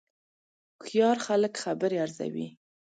هوښیار خلک خبرې ارزوي